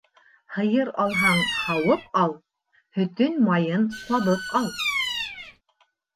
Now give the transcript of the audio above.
Һыйыр алһаң, һауып ал, Һөтөн-майын ҡабып ал.